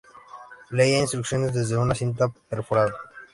Leía instrucciones desde una cinta perforada.